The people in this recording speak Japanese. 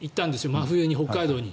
真冬に北海道に。